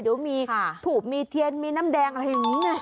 เดี๋ยวมีถูบมีเทียนมีน้ำแดงอะไรอย่างนี้ไง